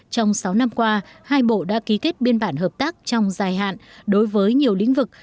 trong sáu năm qua hai bộ đã ký kết biên bản hợp tác trong dài hạn đối với nhiều lĩnh vực